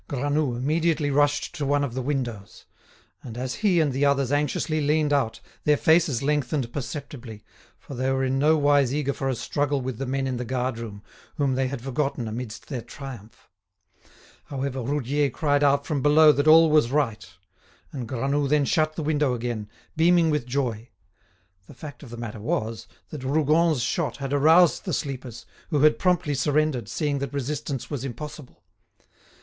Granoux immediately rushed to one of the windows. And as he and the others anxiously leaned out, their faces lengthened perceptibly, for they were in nowise eager for a struggle with the men in the guard room, whom they had forgotten amidst their triumph. However, Roudier cried out from below that all was right. And Granoux then shut the window again, beaming with joy. The fact of the matter was, that Rougon's shot had aroused the sleepers, who had promptly surrendered, seeing that resistance was impossible.